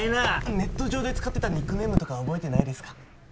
ネット上で使ってたニックネームとか覚えてないですか？